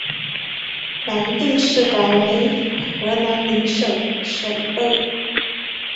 南定市改为河南宁省省莅。